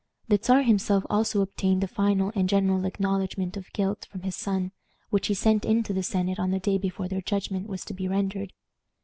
The Czar himself also obtained a final and general acknowledgment of guilt from his son, which he sent in to the senate on the day before their judgment was to be rendered.